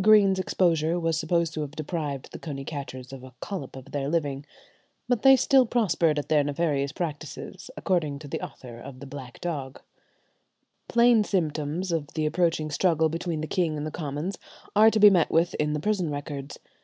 Greene's exposure was supposed to have deprived the coney catchers of a "collop of their living." But they still prospered at their nefarious practices, according to the author of the "Black Dogge." Plain symptoms of the approaching struggle between the king and the commons are to be met with in the prison records.